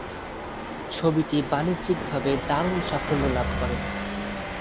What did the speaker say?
ছবিটি বাণিজ্যিক ভাবে দারুণ সাফল্য লাভ করে।